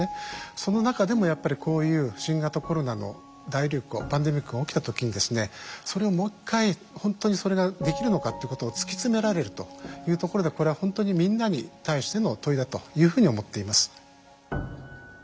その中でもやっぱりこういう新型コロナの大流行パンデミックが起きた時にですねそれをもう一回本当にそれができるのかっていうことを突き詰められるというところでこれは本当にみんなに対しての問いだというふうに思っています。